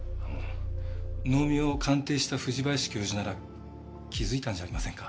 能見を鑑定した藤林教授なら気づいたんじゃありませんか？